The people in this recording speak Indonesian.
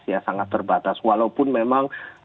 ya sangat terbatas walaupun memang